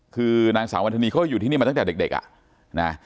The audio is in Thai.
คือนางสาววันธนีเขาก็อยู่ที่นี่มาตั้งแต่เด็กอ่ะนะ